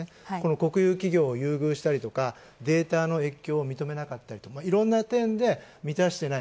国有企業を優遇したりとかデータの越境を認めないとかいろんな点で満たしていない。